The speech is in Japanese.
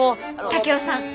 竹雄さん。